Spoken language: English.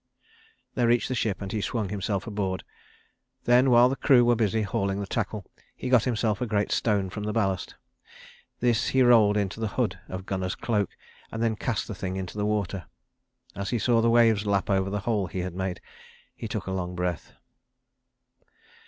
They reached the ship and he swung himself aboard. Then while the crew were busy hauling on the tackle he got himself a great stone from the ballast. This he rolled into the hood of Gunnar's cloak, and then cast the thing into the water. As he saw the waves lap over the hole he had made, he took a long breath.